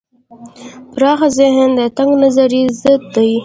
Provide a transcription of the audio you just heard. پراخ ذهن د تنگ نظرۍ ضد دی.